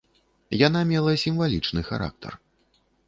Яна мела сімвалічны характар.